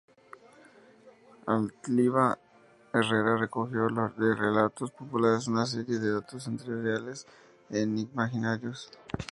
Ataliva Herrera recogió, de relatos populares, una serie de datos entre reales e imaginarios.